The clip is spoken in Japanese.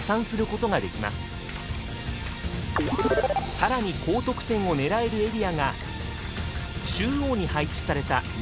更に高得点を狙えるエリアが中央に配置された２本の筒です。